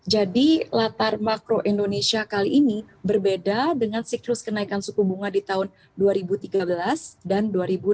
jadi latar makro indonesia kali ini berbeda dengan siklus kenaikan suku bunga di tahun dua ribu tiga belas dan dua ribu delapan belas